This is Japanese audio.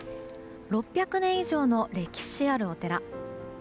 ６００年以上の歴史あるお寺。